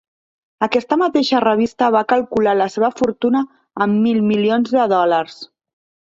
Aquesta mateixa revista va calcular la seva fortuna en mil milions de dòlars.